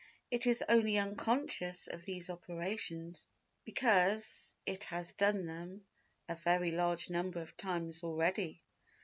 . It is only unconscious of these operations because it has done them a very large number of times already.